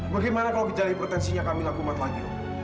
bagaimana kalau kita lihat pretensinya kamila kumat lagi om